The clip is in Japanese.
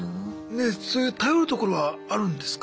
ねえそういう頼るところはあるんですか？